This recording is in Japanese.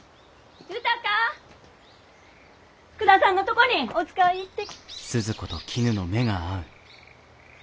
福田さんのとこにお使い行って。